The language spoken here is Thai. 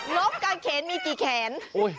นกกางเข็นมีกี่แขน